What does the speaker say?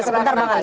sebentar bang ali